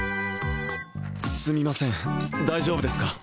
すみません大丈夫ですか？